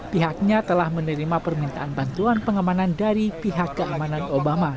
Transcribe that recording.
pihaknya telah menerima permintaan bantuan pengamanan dari pihak keamanan obama